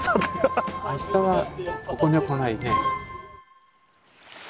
明日はここに来ないね。